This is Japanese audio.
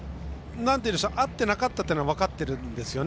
何て言うんでしょうか合っていなかったというのは分かっているんですよね